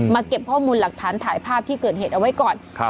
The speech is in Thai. เก็บข้อมูลหลักฐานถ่ายภาพที่เกิดเหตุเอาไว้ก่อน